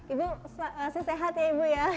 ibu masih sehat ya ibu ya